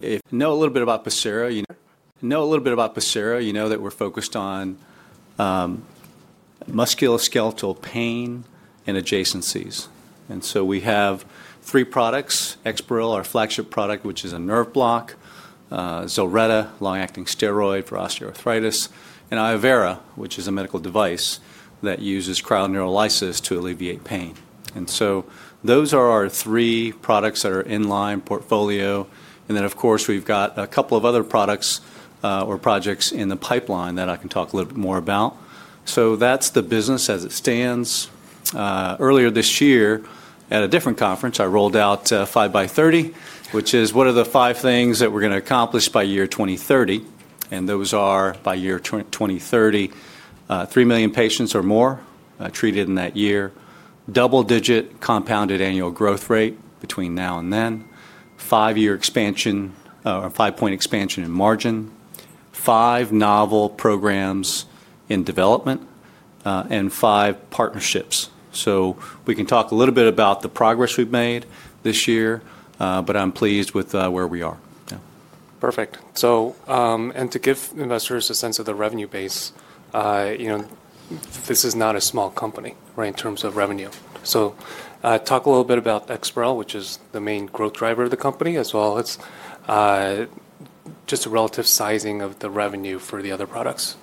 If you know a little bit about Pacira, you know a little bit about Pacira. You know that we're focused on musculoskeletal pain and adjacencies. We have three products: Exparel, our flagship product, which is a nerve block; Zilretta, a long-acting steroid for osteoarthritis; and Iovera, which is a medical device that uses cryoneurolysis to alleviate pain. Those are our three products that are in line portfolio. Of course, we've got a couple of other products or projects in the pipeline that I can talk a little bit more about. That's the business as it stands. Earlier this year, at a different conference, I rolled out 5x30, which is what are the five things that we're going to accomplish by year 2030. By year 2030, 3 million patients or more, treated in that year; double-digit compounded annual growth rate between now and then; five-year expansion, or five-point expansion in margin; five novel programs in development; and five partnerships. We can talk a little bit about the progress we've made this year, but I'm pleased with where we are. Perfect. And to give investors a sense of the revenue base, you know, this is not a small company, right, in terms of revenue. So, talk a little bit about Exparel, which is the main growth driver of the company, as well as just the relative sizing of the revenue for the other products.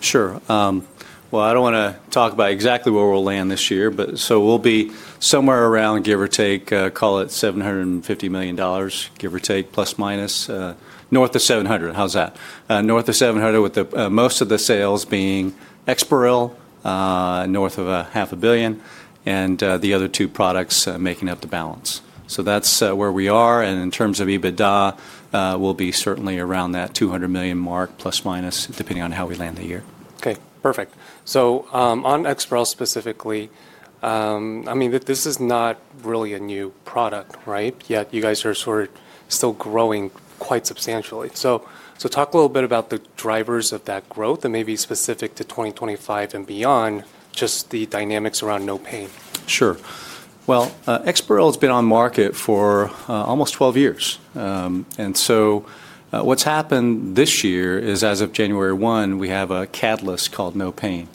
Sure. I do not want to talk about exactly where we will land this year, but we will be somewhere around, give or take, call it $750 million, give or take, plus minus, north of $700 million. How is that? North of $700 million, with most of the sales being Exparel, north of $500 million, and the other two products making up the balance. That is where we are. In terms of EBITDA, we will be certainly around that $200 million mark, plus minus, depending on how we land the year. Okay. Perfect. On Exparel specifically, I mean, this is not really a new product, right? Yet you guys are sort of still growing quite substantially. Talk a little bit about the drivers of that growth, and maybe specific to 2025 and beyond, just the dynamics around no pain. Sure. Exparel has been on market for almost 12 years. What has happened this year is, as of January 1, we have a catalyst called no pain.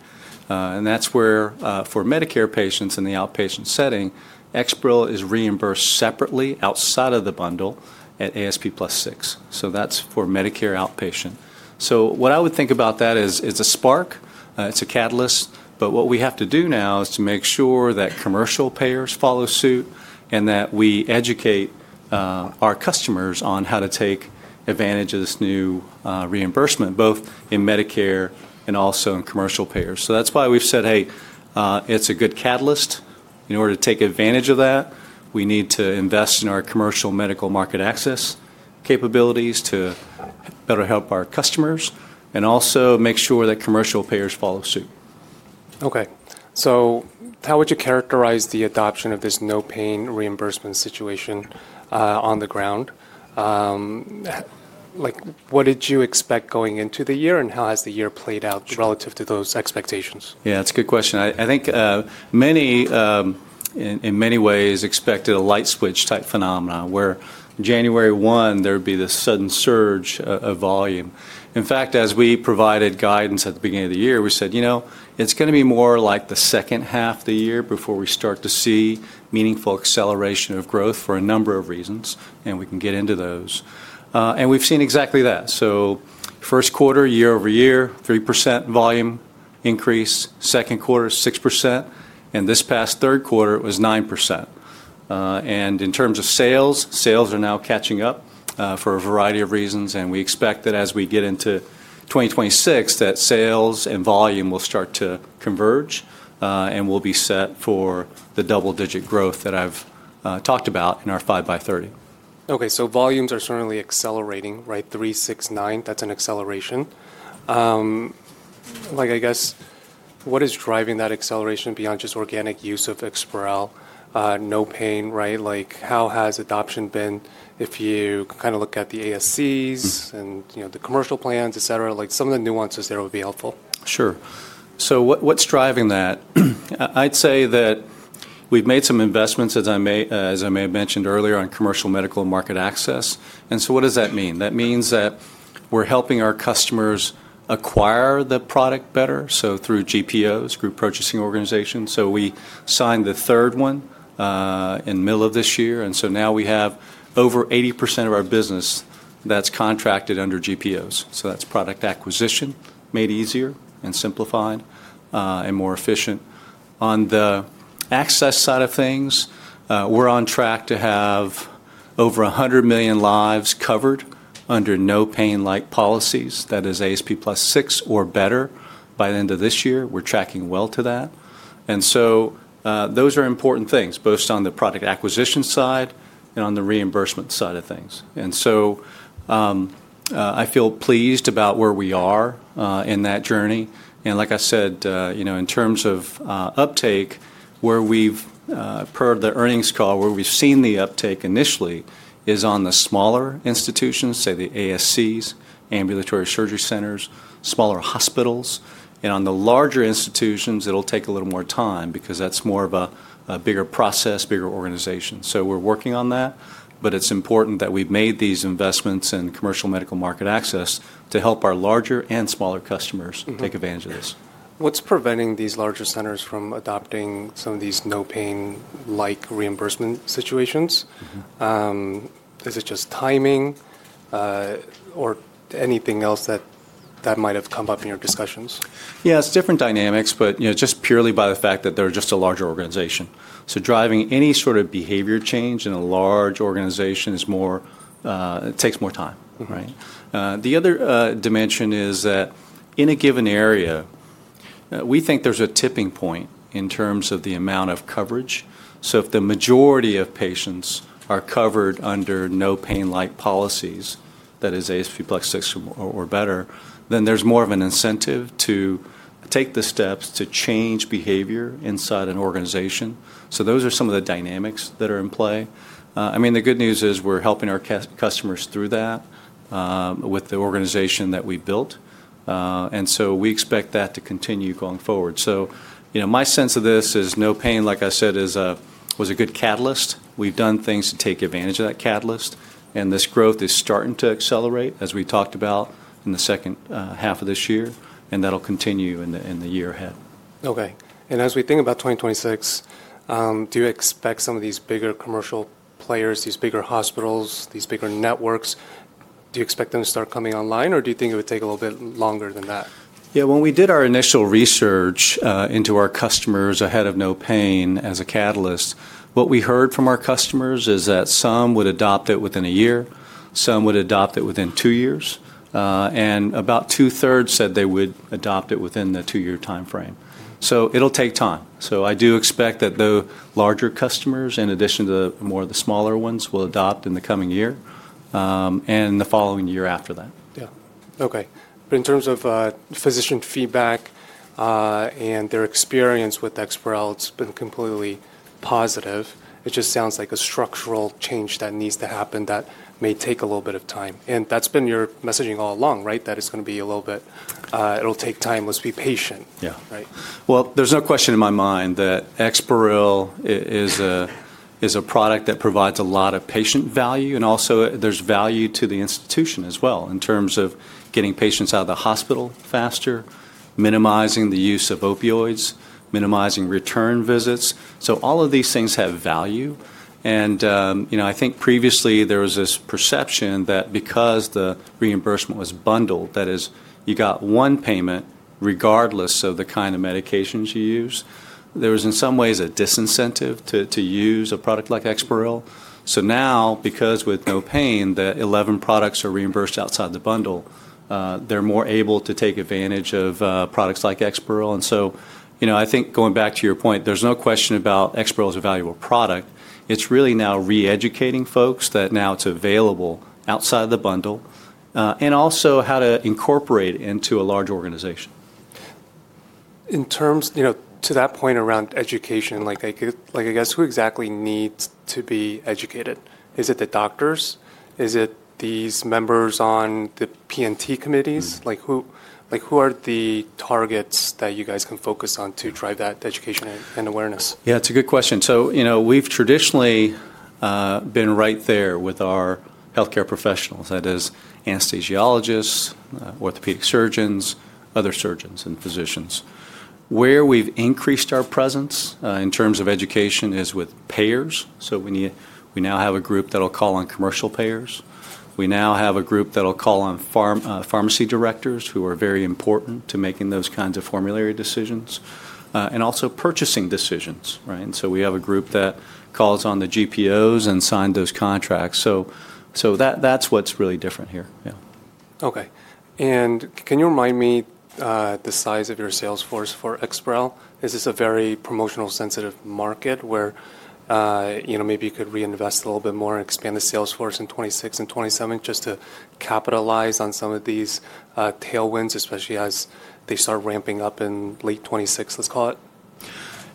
That is where, for Medicare patients in the outpatient setting, Exparel is reimbursed separately outside of the bundle at ASP plus six. That is for Medicare outpatient. What I would think about that is, it is a spark. It is a catalyst. What we have to do now is to make sure that commercial payers follow suit and that we educate our customers on how to take advantage of this new reimbursement, both in Medicare and also in commercial payers. That is why we have said, hey, it is a good catalyst. In order to take advantage of that, we need to invest in our commercial medical market access capabilities to better help our customers and also make sure that commercial payers follow suit. Okay. How would you characterize the adoption of this no pain reimbursement situation on the ground? Like, what did you expect going into the year, and how has the year played out relative to those expectations? Yeah, that's a good question. I think, in many ways, expected a light switch type phenomenon where January one, there'd be this sudden surge of volume. In fact, as we provided guidance at the beginning of the year, we said, you know, it's going to be more like the second half of the year before we start to see meaningful acceleration of growth for a number of reasons, and we can get into those. We've seen exactly that. First quarter, year-over-year, 3% volume increase. Second quarter, 6%. This past third quarter, it was 9%. In terms of sales, sales are now catching up, for a variety of reasons. We expect that as we get into 2026, sales and volume will start to converge, and we'll be set for the double-digit growth that I've talked about in our 5x30. Okay. So volumes are certainly accelerating, right? Three, six, nine, that's an acceleration. Like, I guess, what is driving that acceleration beyond just organic use of Exparel, no pain, right? Like, how has adoption been? If you kind of look at the ASCs and, you know, the commercial plans, etc., like, some of the nuances there would be helpful. Sure. What, what's driving that? I'd say that we've made some investments, as I may have mentioned earlier, on commercial medical market access. What does that mean? That means that we're helping our customers acquire the product better, so through GPOs, Group Purchasing Organizations. We signed the third one in the middle of this year. Now we have over 80% of our business that's contracted under GPOs. That's product acquisition made easier and simplified, and more efficient. On the access side of things, we're on track to have over 100 million lives covered under no pain-like policies. That is ASP plus six or better by the end of this year. We're tracking well to that. Those are important things, both on the product acquisition side and on the reimbursement side of things. I feel pleased about where we are, in that journey. Like I said, you know, in terms of uptake, where we've, per the earnings call, where we've seen the uptake initially is on the smaller institutions, say the ASCs, ambulatory surgery centers, smaller hospitals. On the larger institutions, it'll take a little more time because that's more of a bigger process, bigger organization. We're working on that. It is important that we've made these investments in commercial medical market access to help our larger and smaller customers take advantage of this. What's preventing these larger centers from adopting some of these no pain-like reimbursement situations? Is it just timing, or anything else that might have come up in your discussions? Yeah, it's different dynamics, but, you know, just purely by the fact that they're just a larger organization. So driving any sort of behavior change in a large organization is more, it takes more time, right? The other dimension is that in a given area, we think there's a tipping point in terms of the amount of coverage. So if the majority of patients are covered under no pain-like policies, that is ASP plus six or better, then there's more of an incentive to take the steps to change behavior inside an organization. So those are some of the dynamics that are in play. I mean, the good news is we're helping our customers through that, with the organization that we built. And so we expect that to continue going forward. So, you know, my sense of this is no pain, like I said, is a, was a good catalyst. We've done things to take advantage of that catalyst. This growth is starting to accelerate, as we talked about in the second half of this year, and that'll continue in the year ahead. Okay. As we think about 2026, do you expect some of these bigger commercial players, these bigger hospitals, these bigger networks, do you expect them to start coming online, or do you think it would take a little bit longer than that? Yeah, when we did our initial research, into our customers ahead of no pain as a catalyst, what we heard from our customers is that some would adopt it within a year, some would adopt it within two years, and about two-thirds said they would adopt it within the two-year time frame. It will take time. I do expect that the larger customers, in addition to more of the smaller ones, will adopt in the coming year, and the following year after that. Yeah. Okay. In terms of physician feedback, and their experience with Exparel, it's been completely positive. It just sounds like a structural change that needs to happen that may take a little bit of time. That's been your messaging all along, right, that it's going to be a little bit, it'll take time. Let's be patient. Yeah. Right? There is no question in my mind that Exparel is a product that provides a lot of patient value. Also, there is value to the institution as well in terms of getting patients out of the hospital faster, minimizing the use of opioids, minimizing return visits. All of these things have value. You know, I think previously there was this perception that because the reimbursement was bundled, that is, you got one payment regardless of the kind of medications you use, there was in some ways a disincentive to use a product like Exparel. Now, because with no pain, the eleven products are reimbursed outside the bundle, they are more able to take advantage of products like Exparel. You know, I think going back to your point, there is no question about Exparel as a valuable product. It's really now re-educating folks that now it's available outside the bundle, and also how to incorporate into a large organization. In terms, you know, to that point around education, like, like, I guess, who exactly needs to be educated? Is it the doctors? Is it these members on the P&T committees? Like, who, like, who are the targets that you guys can focus on to drive that education and awareness? Yeah, it's a good question. You know, we've traditionally been right there with our healthcare professionals, that is, anesthesiologists, orthopedic surgeons, other surgeons, and physicians. Where we've increased our presence in terms of education is with payers. We now have a group that'll call on commercial payers. We now have a group that'll call on pharmacy directors who are very important to making those kinds of formulary decisions, and also purchasing decisions, right? We have a group that calls on the GPOs and signed those contracts. That's what's really different here. Yeah. Okay. Can you remind me, the size of your sales force for Exparel? Is this a very promotional-sensitive market where, you know, maybe you could reinvest a little bit more and expand the sales force in 2026 and 2027 just to capitalize on some of these tailwinds, especially as they start ramping up in late 2026, let's call it?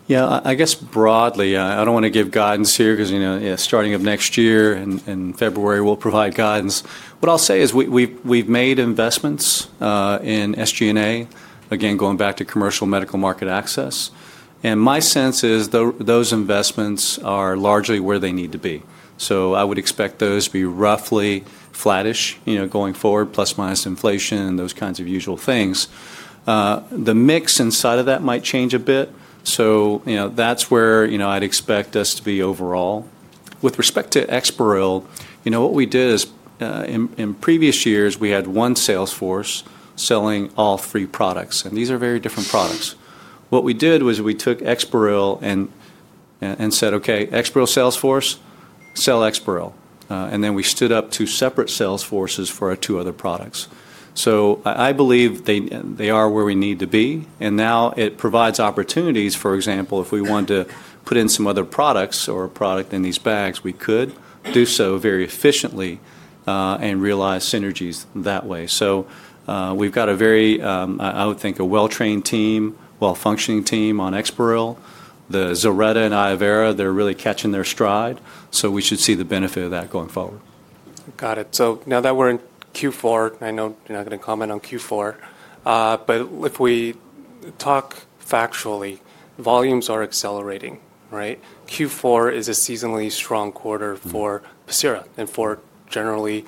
Yeah, I guess broadly, I don't want to give guidance here because, you know, starting of next year in February, we'll provide guidance. What I'll say is we've made investments in SG&A, again, going back to commercial, medical, market access. And my sense is those investments are largely where they need to be. So I would expect those to be roughly flattish, you know, going forward, plus minus inflation and those kinds of usual things. The mix inside of that might change a bit. You know, that's where I'd expect us to be overall. With respect to Exparel, you know, what we did is, in previous years, we had one sales force selling all three products. And these are very different products. What we did was we took Exparel and said, okay, Exparel sales force, sell Exparel. and then we stood up two separate sales forces for our two other products. So I believe they are where we need to be. And now it provides opportunities, for example, if we want to put in some other products or a product in these bags, we could do so very efficiently, and realize synergies that way. So, we've got a very, I would think a well-trained team, well-functioning team on Exparel. The Zilretta and Iovera, they're really catching their stride. So we should see the benefit of that going forward. Got it. Now that we're in Q4, I know you're not going to comment on Q4, but if we talk factually, volumes are accelerating, right? Q4 is a seasonally strong quarter for Pacira and for, generally,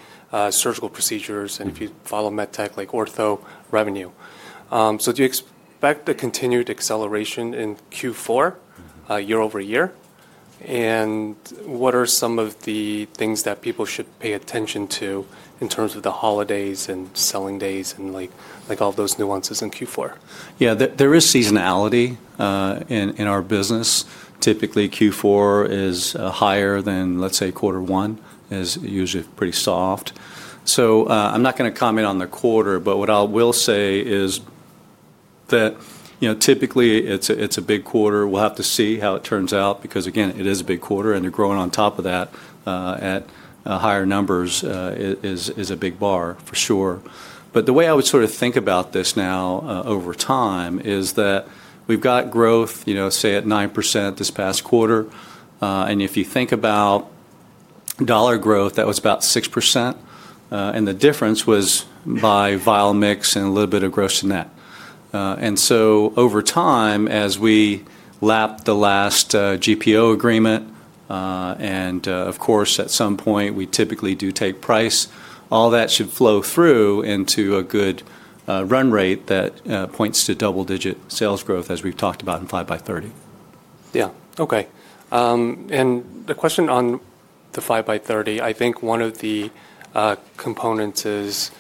surgical procedures, and if you follow med tech like ortho revenue. Do you expect a continued acceleration in Q4, year over year? What are some of the things that people should pay attention to in terms of the holidays and selling days and, like, all those nuances in Q4? Yeah, there is seasonality in our business. Typically, Q4 is higher than, let's say, quarter one is usually pretty soft. I'm not going to comment on the quarter, but what I will say is that, you know, typically it's a big quarter. We'll have to see how it turns out because, again, it is a big quarter and they're growing on top of that, at higher numbers, is a big bar for sure. The way I would sort of think about this now, over time is that we've got growth, you know, say at 9% this past quarter. If you think about dollar growth, that was about 6%. The difference was by vial mix and a little bit of gross net. and so over time, as we lap the last GPO agreement, and, of course, at some point, we typically do take price, all that should flow through into a good run rate that points to double-digit sales growth, as we've talked about in 5x30. Yeah. Okay. The question on the 5x30, I think one of the components is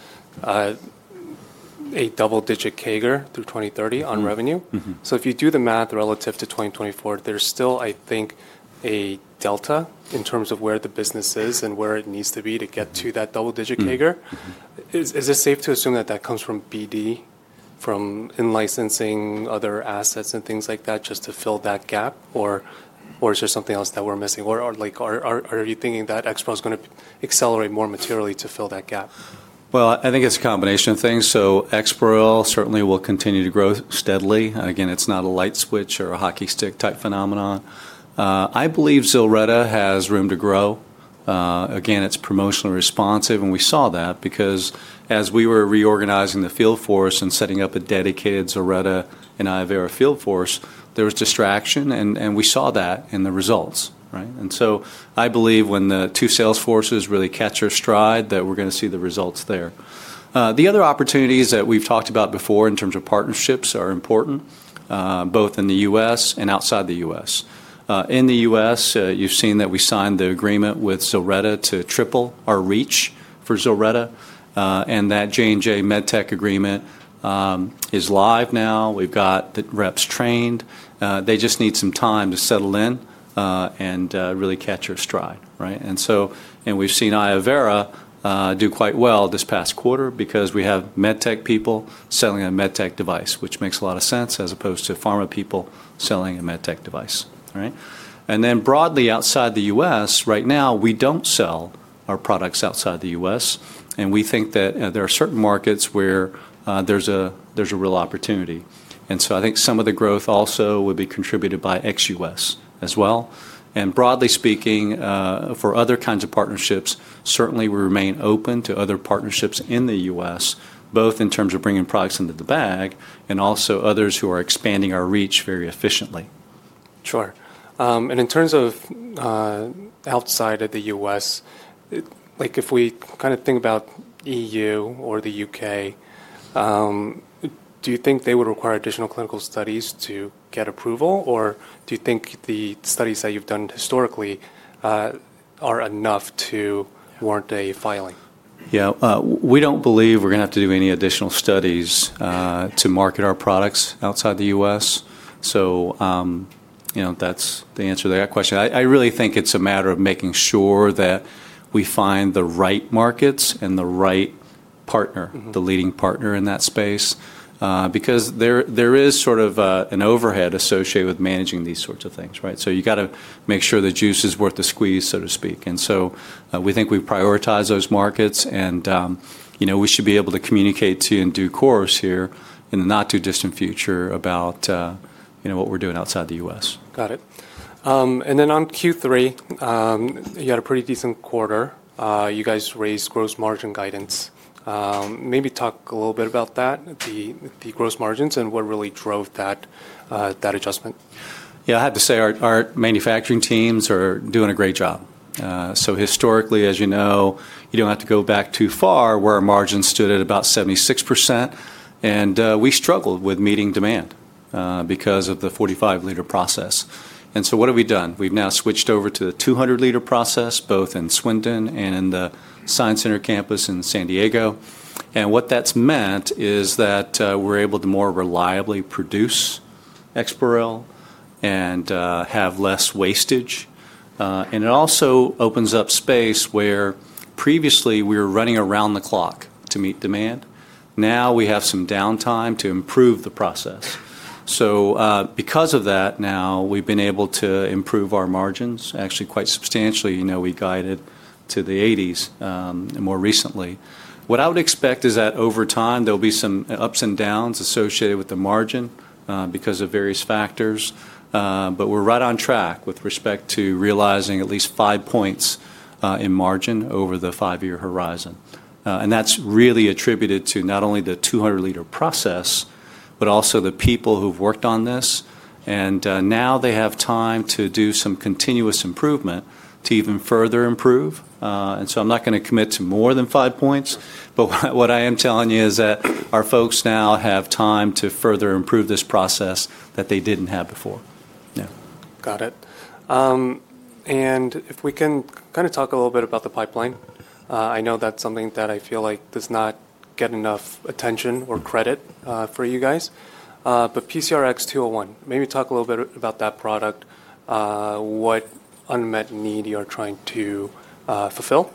a double-digit CAGR through 2030 on revenue. If you do the math relative to 2024, there's still, I think, a delta in terms of where the business is and where it needs to be to get to that double-digit CAGR. Is it safe to assume that that comes from BD, from in licensing other assets and things like that just to fill that gap, or is there something else that we're missing? Are you thinking that Exparel is going to accelerate more materially to fill that gap? I think it's a combination of things. Exparel certainly will continue to grow steadily. Again, it's not a light switch or a hockey stick type phenomenon. I believe Zilretta has room to grow. Again, it's promotionally responsive. We saw that because as we were reorganizing the field force and setting up a dedicated Zilretta and Iovera field force, there was distraction, and we saw that in the results, right? I believe when the two sales forces really catch their stride, we're going to see the results there. The other opportunities that we've talked about before in terms of partnerships are important, both in the U.S. and outside the U.S. In the U.S., you've seen that we signed the agreement with Zilretta to triple our reach for Zilretta, and that Johnson & Johnson MedTech agreement is live now. We've got the reps trained. They just need some time to settle in, and really catch their stride, right? We have seen Iovera do quite well this past quarter because we have med tech people selling a med tech device, which makes a lot of sense as opposed to pharma people selling a med tech device, right? Broadly, outside the U.S., right now, we do not sell our products outside the U.S. We think that there are certain markets where there is a real opportunity. I think some of the growth also would be contributed by XUS as well. Broadly speaking, for other kinds of partnerships, certainly we remain open to other partnerships in the U.S., both in terms of bringing products into the bag and also others who are expanding our reach very efficiently. Sure. And in terms of, outside of the U.S., like if we kind of think about EU or the U.K., do you think they would require additional clinical studies to get approval, or do you think the studies that you've done historically are enough to warrant a filing? Yeah, we don't believe we're going to have to do any additional studies to market our products outside the U.S. You know, that's the answer to that question. I really think it's a matter of making sure that we find the right markets and the right partner, the leading partner in that space, because there is sort of an overhead associated with managing these sorts of things, right? You got to make sure the juice is worth the squeeze, so to speak. We think we prioritize those markets and, you know, we should be able to communicate to you in due course here in the not too distant future about, you know, what we're doing outside the U.S. Got it. And then on Q3, you had a pretty decent quarter. You guys raised gross margin guidance. Maybe talk a little bit about that, the gross margins and what really drove that, that adjustment. Yeah, I have to say our manufacturing teams are doing a great job. Historically, as you know, you do not have to go back too far where our margin stood at about 76%. We struggled with meeting demand because of the 45-liter process. What have we done? We have now switched over to the 200-liter process, both in Swindon and in the Science Center campus in San Diego. What that has meant is that we are able to more reliably produce Exparel and have less wastage. It also opens up space where previously we were running around the clock to meet demand. Now we have some downtime to improve the process. Because of that, we have been able to improve our margins actually quite substantially. You know, we guided to the 80s, and more recently. What I would expect is that over time there'll be some ups and downs associated with the margin, because of various factors. We're right on track with respect to realizing at least five points in margin over the five-year horizon. That's really attributed to not only the 200-liter process, but also the people who've worked on this. Now they have time to do some continuous improvement to even further improve. I'm not going to commit to more than five points, but what I am telling you is that our folks now have time to further improve this process that they didn't have before. Yeah. Got it. And if we can kind of talk a little bit about the pipeline, I know that's something that I feel like does not get enough attention or credit for you guys. But PCRX-201, maybe talk a little bit about that product, what unmet need you are trying to fulfill,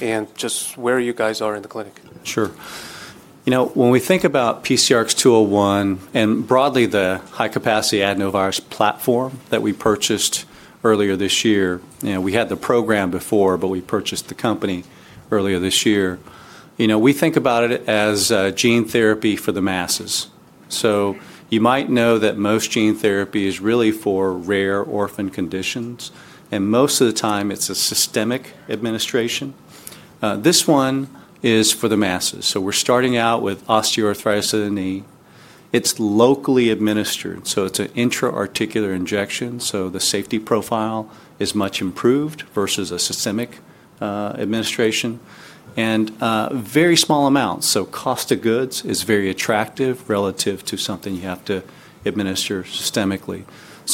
and just where you guys are in the clinic. Sure. You know, when we think about PCRX-201 and broadly the high-capacity adenovirus platform that we purchased earlier this year, you know, we had the program before, but we purchased the company earlier this year. You know, we think about it as gene therapy for the masses. You might know that most gene therapy is really for rare orphan conditions. And most of the time it is a systemic administration. This one is for the masses. We are starting out with osteoarthritis of the knee. It is locally administered. It is an intra-articular injection. The safety profile is much improved versus a systemic administration. And, very small amounts. Cost of goods is very attractive relative to something you have to administer systemically.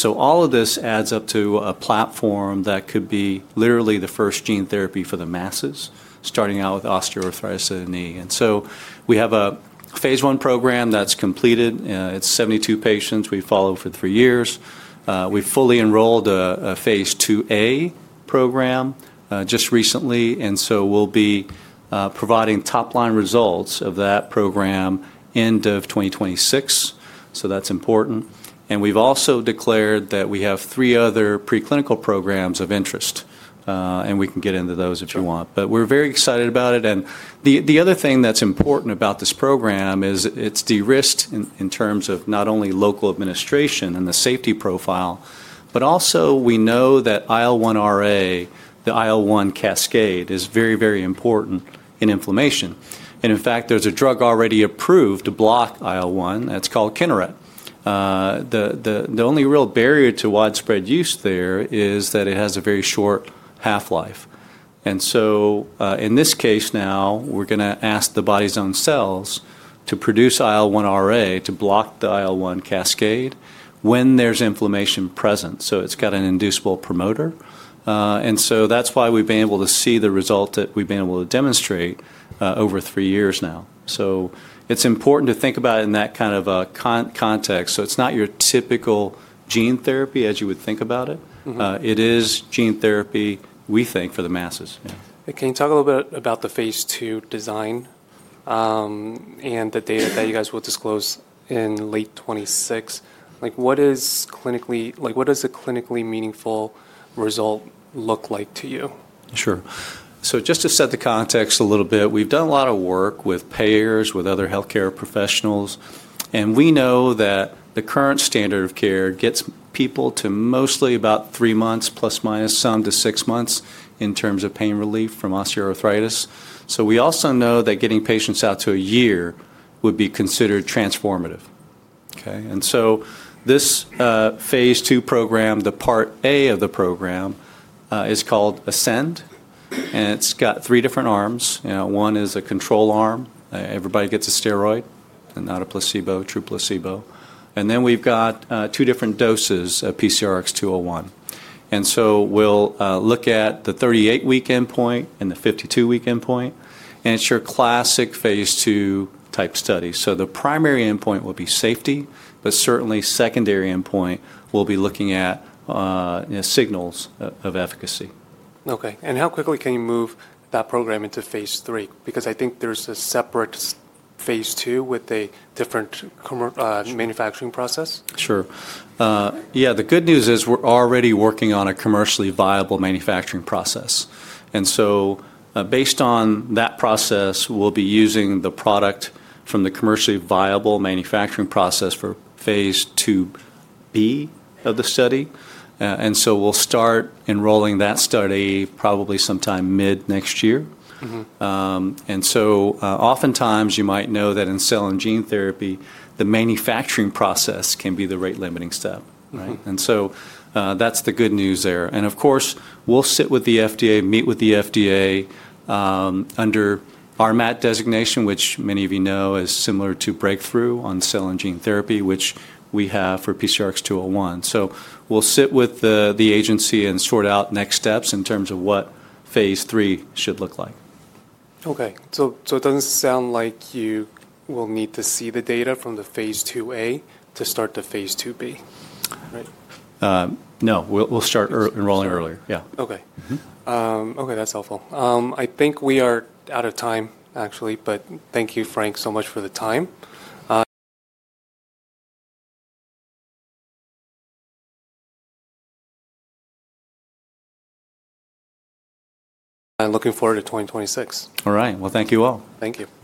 All of this adds up to a platform that could be literally the first gene therapy for the masses starting out with osteoarthritis of the knee. We have a phase I program that's completed. It's 72 patients. We follow for three years. We fully enrolled a phase II A program just recently. We'll be providing top-line results of that program end of 2026. That's important. We've also declared that we have three other preclinical programs of interest. We can get into those if you want. We're very excited about it. The other thing that's important about this program is it's de-risked in terms of not only local administration and the safety profile, but also we know that IL-1 RA, the IL-1 cascade, is very, very important in inflammation. In fact, there's a drug already approved to block IL-1 that's called Kineret. The only real barrier to widespread use there is that it has a very short half-life. In this case now, we're going to ask the body's own cells to produce IL-1 RA to block the IL-1 cascade when there's inflammation present. It's got an inducible promoter, and that's why we've been able to see the result that we've been able to demonstrate over three years now. It's important to think about it in that kind of a context. It's not your typical gene therapy as you would think about it. It is gene therapy, we think, for the masses. Yeah. Can you talk a little bit about the phase II design, and the data that you guys will disclose in late 2026? Like what is clinically, like what does a clinically meaningful result look like to you? Sure. Just to set the context a little bit, we've done a lot of work with payers, with other healthcare professionals, and we know that the current standard of care gets people to mostly about three months, plus minus, some to six months in terms of pain relief from osteoarthritis. We also know that getting patients out to a year would be considered transformative. Okay. This phase II program, the part A of the program, is called Ascend. It's got three different arms. You know, one is a control arm. Everybody gets a steroid and not a placebo, true placebo. Then we've got two different doses of PCRX-201. We'll look at the 38-week endpoint and the 52-week endpoint. It's your classic phase II type study. The primary endpoint will be safety, but certainly secondary endpoint will be looking at signals of efficacy. Okay. How quickly can you move that program into phase III? Because I think there's a separate phase II with a different manufacturing process. Sure. Yeah, the good news is we're already working on a commercially viable manufacturing process. And so, based on that process, we'll be using the product from the commercially viable manufacturing process for phase II B of the study. And so we'll start enrolling that study probably sometime mid next year. And so, oftentimes you might know that in cell and gene therapy, the manufacturing process can be the rate limiting step, right? And so, that's the good news there. And of course, we'll sit with the FDA, meet with the FDA, under our MAT designation, which many of you know is similar to breakthrough on cell and gene therapy, which we have for PCRX-201. So we'll sit with the agency and sort out next steps in terms of what phase III should look like. Okay. So it doesn't sound like you will need to see the data from the phase II A to start the phase II B, right? No, we'll start enrolling earlier. Yeah. Okay. That's helpful. I think we are out of time, actually, but thank you, Frank, so much for the time. Looking forward to 2026. All right. Thank you all. Thank you.